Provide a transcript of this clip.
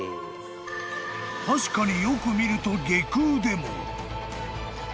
［確かによく見ると外宮でも］